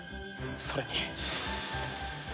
それに。